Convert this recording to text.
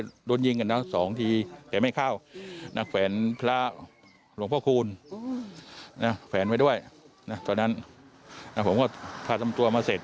โอ้โหนี่ปั่นปากโดดยิง๒นัดไม่เข้าอะฮะแค่ราคายผิวแทงเขาตายเลย